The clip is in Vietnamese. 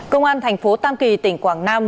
công an thành phố tam kỳ tỉnh quảng nam